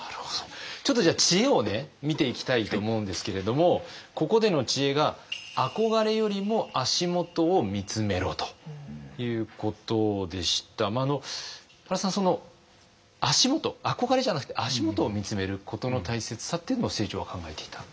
ちょっとじゃあ知恵を見ていきたいと思うんですけれどもここでの知恵が原さんその足元憧れじゃなくて足元を見つめることの大切さっていうのを清張は考えていた。